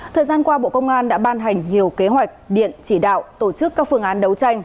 thời gian qua bộ công an đã ban hành nhiều kế hoạch điện chỉ đạo tổ chức các phương án đấu tranh